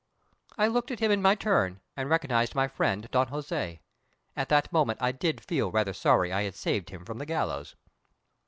I looked at him in my turn and recognised my friend Don Jose. At that moment I did feel rather sorry I had saved him from the gallows.